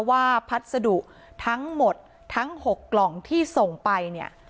ว่าพัสดุทั้งหมดทั้ง๖กล่องที่ส่งไป